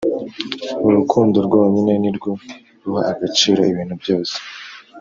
urukundo rwonyine ni rwo ruha agaciro ibintu byose.